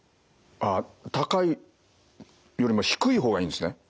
あっ高いよりも低い方がいいんですね。